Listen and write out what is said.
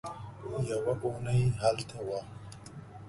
يوه اوونۍ هلته وه.